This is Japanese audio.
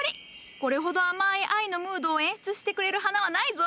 これほど甘い愛のムードを演出してくれる花はないぞ！